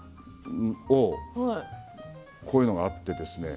こういうものがあって。